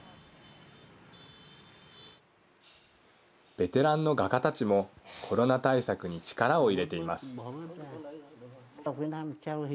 ベテランの画家たちもコロナ対策に力を入れています。